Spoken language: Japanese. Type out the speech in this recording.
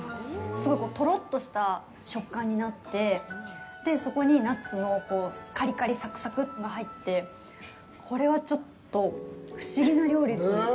すごいとろっとした食感になってそこにナッツのカリカリサクサクが入ってこれはちょっと不思議な料理ですね。